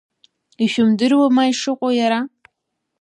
Ишәымдыруеи ма ишыҟоу иара?